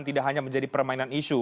tidak hanya menjadi permainan isu